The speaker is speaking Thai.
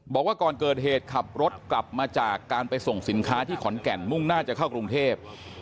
บอกว่าก่อนเกิดเหตุขับรถกลับมาจากการไปส่งสินค้าที่ขอนแก่นมุ่งหน้าจะเข้ากรุงเทพ